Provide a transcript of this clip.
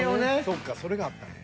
そっかそれがあったんや。